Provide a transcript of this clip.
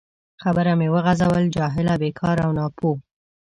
خبره مې وغځول: جاهله، بیکاره او ناپوه.